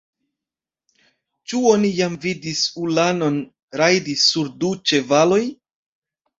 Ĉu oni iam vidis ulanon rajdi sur du ĉevaloj!?